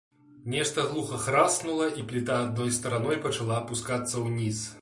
Нешта глуха храснула, і пліта адной стараной пачала апускацца ўніз.